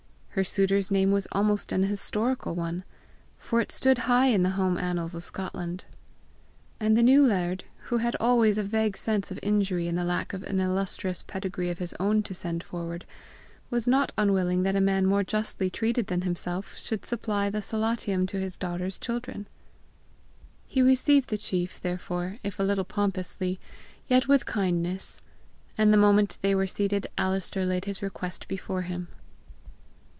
Her suitor's name was almost an historical one, for it stood high in the home annals of Scotland. And the new laird, who had always a vague sense of injury in the lack of an illustrious pedigree of his own to send forward, was not un willing that a man more justly treated than himself should supply the SOLATIUM to his daughter's children. He received the Macruadh, therefore, if a little pompously, yet with kindness. And the moment they were seated Alister laid his request before him.